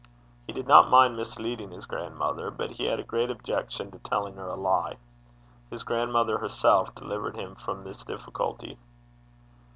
He did not mind misleading his grannie, but he had a great objection to telling her a lie. His grandmother herself delivered him from this difficulty.